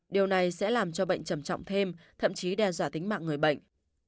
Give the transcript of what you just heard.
điều này sẽ làm cho bệnh trầm trọng thêm thậm chí đe dọa tính mạng người bệnh